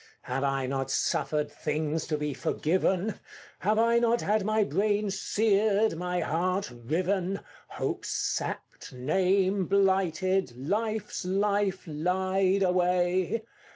Have I not suffered things to be forgiven? Have I not had my brain seared, my heart riven, Hopes sapped, name blighted, Life's life lied away?